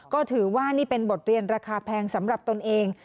ก็ถือว่านี่เป็นบทเรียนราคาแพงสำหรับตนเอง